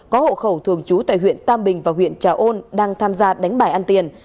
có hộ khẩu thường trú tại huyện tam bình và huyện trà ôn đang tham gia đánh bài ăn tiền